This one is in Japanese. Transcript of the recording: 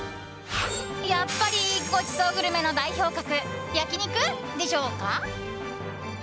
やっぱりごちそうグルメの代表格焼き肉でしょうか。